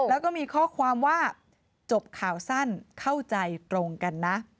แล้วก็มีข้อความว่าจบข่าวสั้นเข้าใจตรงกันนะ